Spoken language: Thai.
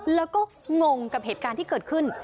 แล้วก็งงกับเหตุการณ์ที่เกิดขึ้น